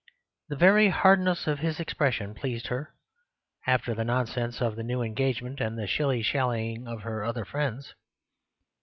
The very hardness of his expression pleased her, after the nonsense of the new engagement and the shilly shallying of her other friends.